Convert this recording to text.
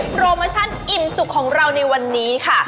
โปรโมชั่นอิ่มจุกของเราในวันนี้ค่ะ